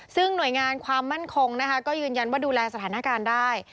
ซึ่งหน่วยงานความมั่นคงนะคะก็ยืนยันว่าดูแลสถานการณ์ได้